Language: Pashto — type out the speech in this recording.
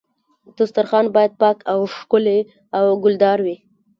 دسترخوان باید پاک او ښکلی او ګلدار وي.